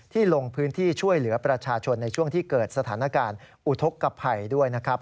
ลงพื้นที่ช่วยเหลือประชาชนในช่วงที่เกิดสถานการณ์อุทธกภัยด้วยนะครับ